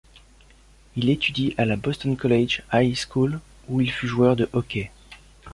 Il étudie à la Boston College High School, où il fut joueur de hockey.